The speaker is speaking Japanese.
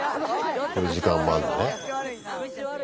こういう時間もあるんだね。